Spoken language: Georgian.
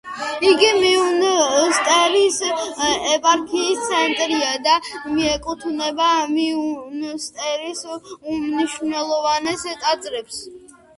იგი მიუნსტერის ეპარქიის ცენტრია და მიეკუთვნება მიუნსტერის უმნიშვნელოვანეს ტაძრებს.